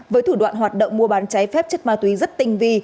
với thủ đoạn hoạt động mua bán cháy phép chất ma túy rất tinh vi